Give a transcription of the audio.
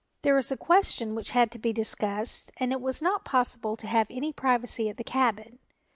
There was a question which had to be discussed and it was not possible to have any privacy at the cabin.